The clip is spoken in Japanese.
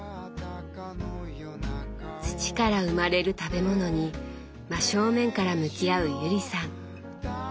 土から生まれる食べ物に真正面から向き合う友里さん。